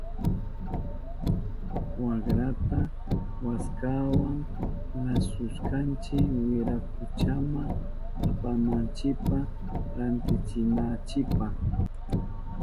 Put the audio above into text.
Wakrata waskawa lasushkanchi wirakuchama apananchipa rantichinanchipa.